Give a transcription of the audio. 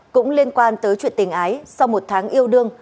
cũng liên quan tới chuyện tình ái sau một tháng yêu đương